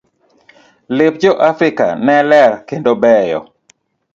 Lep jo Afrika ne ler kendo beyo.